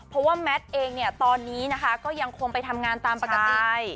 เพราะว่าแมทเองเนี่ยตอนนี้นะคะก็ยังคงไปทำงานตามปกติ